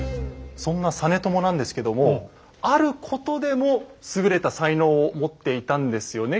そんな実朝なんですけどもあることでも優れた才能を持っていたんですよね